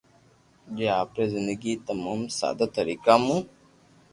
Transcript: جي آپري زندگي تموم سادا طريقا مون